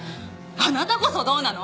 あなたこそどうなの！？